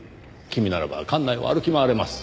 君ならば館内を歩き回れます。